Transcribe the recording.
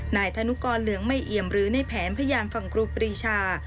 นายธนุกรเหลืองไม่เอี่ยมหรือในแผนพยานฝั่งครูปรีชา